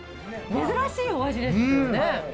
珍しいお味ですよね。